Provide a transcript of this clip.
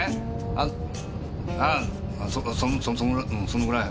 あのあぁそっそのぐらい。